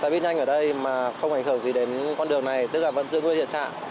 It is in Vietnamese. xe buýt nhanh ở đây mà không ảnh hưởng gì đến con đường này tức là vẫn giữ nguyên hiện trạng